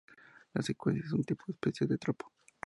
La secuencia es un tipo especial de tropo.